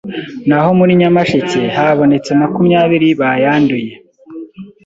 naho muri Nyamasheke habonetse makumyabiri bayanduye,